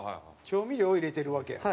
調味料を入れてるわけや。